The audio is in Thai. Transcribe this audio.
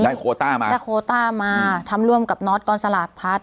ได้โควต้ามาได้โควต้ามาทำร่วมกับน็อตกองสลากพลัส